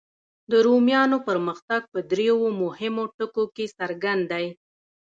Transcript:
د رومیانو پرمختګ په دریو مهمو ټکو کې څرګند دی.